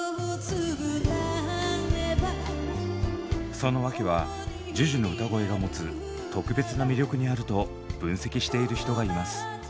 その訳はＪＵＪＵの歌声がもつ特別な魅力にあると分析している人がいます。